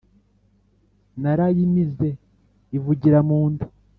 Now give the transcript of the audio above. Narayimize ivugira mu nda